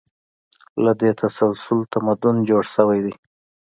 له دې تسلسل تمدن جوړ شوی دی.